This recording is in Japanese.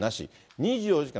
２４時間